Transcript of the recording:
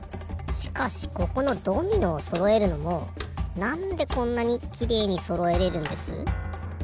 しかしここのドミノをそろえるのもなんでこんなにきれいにそろえれるんです？